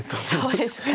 そうですか。